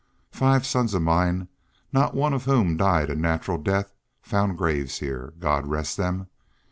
Five sons of mine, not one of whom died a natural death, found graves here God rest them!